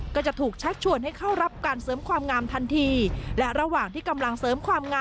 ก็จะถูกชัดชวนให้เข้ารับการเสริมความงามทันที